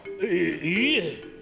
いいいえ！